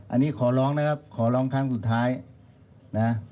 อันนี้ขอร้องนะครับขอร้องครั้งสุดท้ายนะ